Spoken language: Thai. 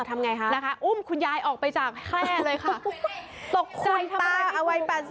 ทำอย่างไรฮะอุ้มคุณยายออกไปจากแคล่ตกใจทำอะไรกัน